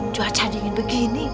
cuaca dingin begini